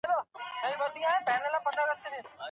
ايا ته پوهېږې چي دا حکم د چا دی؟